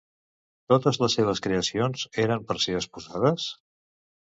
Totes les seves creacions eren per ser exposades?